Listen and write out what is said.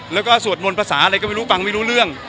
แล้วก็สวดมนต์ภาษาอะไรก็ไม่รู้ฟังไม่รู้เรื่อง